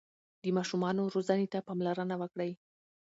د ماشومانو روزنې ته پاملرنه وکړئ.